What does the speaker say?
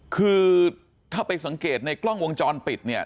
คือถ้าไปสังเกตในกล้องวงจรปิดเนี่ย